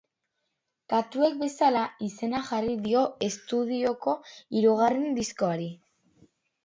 Katuek bezala izena jarri dio estudioko hirugarren diskoari.